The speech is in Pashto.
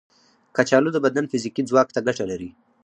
کچالو د بدن فزیکي ځواک ته ګټه لري.